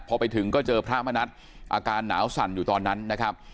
พอไปถึงก็เจอพระมณัฐอาการหนาวสั่นอยู่ตอนนั้นนะครับ